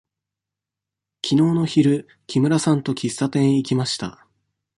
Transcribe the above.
きのうの昼、木村さんと喫茶店へ行きました。